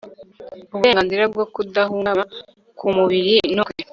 uburenganzira bwo kudahungabanywa ku mubiri no mu mutwe